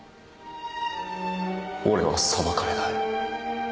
俺は裁かれない？